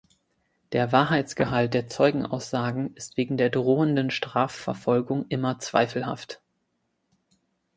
Der Wahrheitsgehalt der Zeugenaussagen ist wegen der drohenden Strafverfolgung immer zweifelhaft.